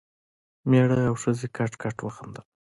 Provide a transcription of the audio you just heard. مېړه او ښځې کټ کټ وخندل.